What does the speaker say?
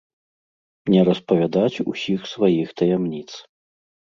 Не распавядаць усіх сваіх таямніц.